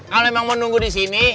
kalau memang mau nunggu di sini